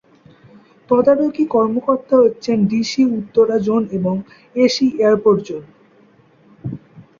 তদারকি কর্মকর্তা হচ্ছেন ডিসি উত্তরা জোন এবং এসি এয়ারপোর্ট জোন।